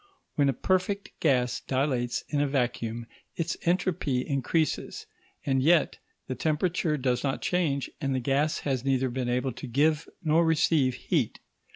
When a perfect gas dilates in a vacuum its entropy increases, and yet the temperature does not change, and the gas has neither been able to give nor receive heat.